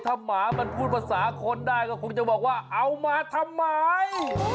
ถ้าหมามันพูดภาษาคนได้ก็คงจะบอกว่าเอามาทำไม